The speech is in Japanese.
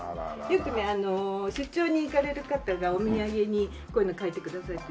よくねあの出張に行かれる方がお土産にこういうのを書いてくださいって。